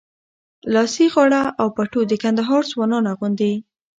لاسي غاړه او پټو د کندهار ځوانان اغوندي.